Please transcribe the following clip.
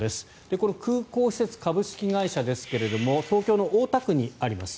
この空港施設株式会社ですが東京の大田区にあります。